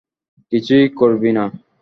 কিছুই করবি না।